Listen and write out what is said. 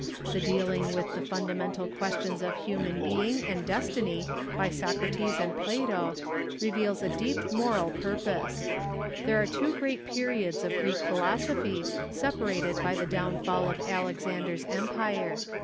The dealing with the funda 's°vstems^ mental questions of human being and destiny by Socrates and Plato reveals a deep moral purpose. There are two great periods of Greek philosophy, separated by the downfall of Alexander's empire.